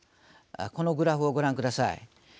このグラフをご覧ください。